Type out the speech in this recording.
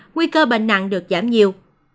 nguy cơ bệnh nặng được giảm nhiều